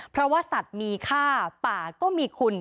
เพราะว่าสัตว์มีค่าป่าก็มีคุณ